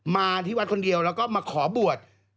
มาที่วัดคนเดียวแล้วก็มาขอบวช